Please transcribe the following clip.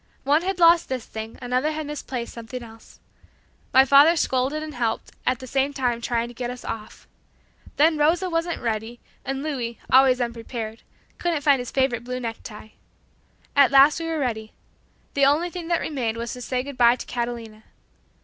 One had lost this thing, another had misplaced something else. My father scolded and helped, at the same time trying to get us off. Then Rosa wasn't ready and Louis, always unprepared, couldn't find his favorite blue necktie. At last we were ready. The only thing that remained was to say good bye to Catalina.